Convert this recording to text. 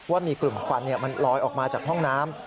ว่ามีกลุ่มควันมันลอยออกมาจากห้องน้ำ